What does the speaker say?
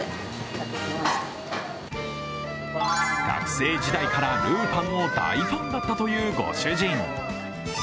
学生時代から、るーぱんの大ファンだったというご主人。